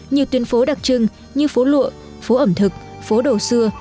nhiều tuyến phố đặc trưng như phố lụa phố ẩm thực phố đầu xưa